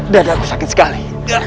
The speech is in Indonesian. dadahku sakit sekali